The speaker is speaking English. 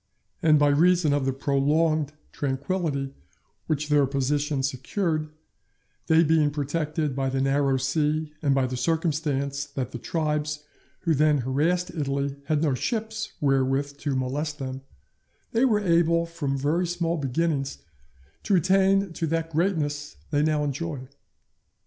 And by reason of the prolonged tranquility which their position secured, they being protected by the narrow sea and by the circumstance that the tribes who then harassed Italy had no ships wherewith to molest them, they were able from very small beginnings to attain to that greatness they now enjoy.